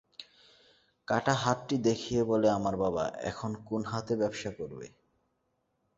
কাটা হাতটি দেখিয়ে বলে আমার বাবা এখন কোন হাতে ব্যবসা করবে।